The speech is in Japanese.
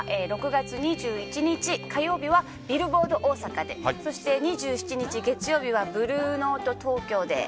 ６月２１日、火曜日はビルボード大阪でそして２７日月曜日はブルーノート東京で。